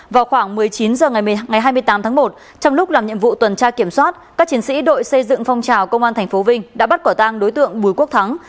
vào khoảng một mươi chín h ngày hai mươi tám tháng một trong lúc làm nhiệm vụ tuần tra kiểm soát các chiến sĩ đội xây dựng phong trào công an tp vinh đã bắt quả tang đối tượng bùi quốc thắng